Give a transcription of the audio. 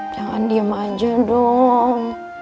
jangan diem aja dong